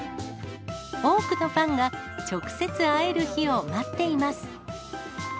多くのファンが直接会える日を待っています。